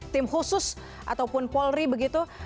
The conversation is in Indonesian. tim khusus ataupun polri begitu